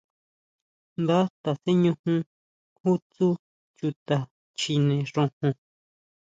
Nda taseñujun ju tsú chuta chjine xojon.